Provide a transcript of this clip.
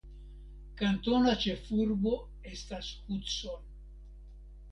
Kantona ĉefurbo estas Hudson.